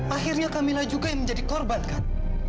akhirnya kamilah juga yang menjadi korban kan